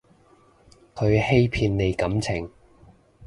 佢欺騙你感情